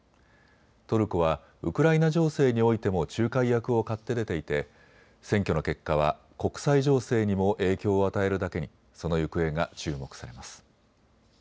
トルコは、ウクライナ情勢においても仲介役を買って出ていて選挙の結果は国際情勢にも影響を与えるだけにその行方が注目されます。